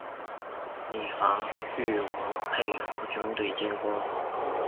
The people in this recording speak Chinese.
以防御吴佩孚军队进攻。